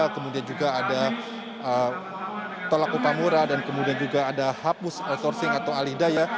kemudian juga ada tolak upamura dan kemudian juga ada hapus resorsing atau alih daya